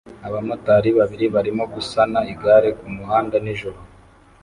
Abamotari babiri barimo gusana igare kumuhanda nijoro